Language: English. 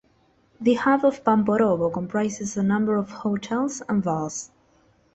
The hub of Pamporovo comprises a number of hotels and bars.